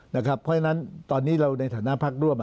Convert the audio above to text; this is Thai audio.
เพราะฉะนั้นตอนนี้เราในฐานะพักร่วม